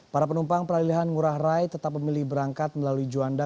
para penumpang peralihan ngurah rai tetap memilih berangkat melalui juanda